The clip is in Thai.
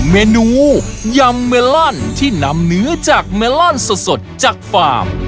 เมนูยำเมลอนที่นำเนื้อจากเมลอนสดจากฟาร์ม